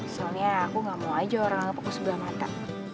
soalnya aku gak mau aja orang fokus sebelah mata